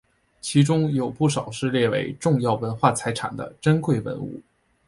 其中有不少是列为重要文化财产的珍贵文物。